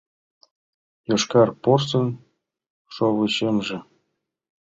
Йошкар порсын шовычемже.